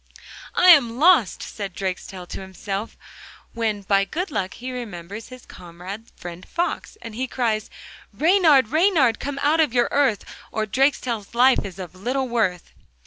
'I am lost!' said Drakestail to himself, when by good luck he remembers his comrade friend Fox, and he cries: 'Reynard, Reynard, come out of your earth, Or Drakestail's life is of little worth.